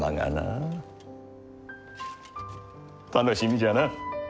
楽しみじゃな。